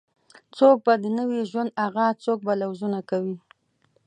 څوک به د نوې ژوند آغاز څوک به لوظونه کوي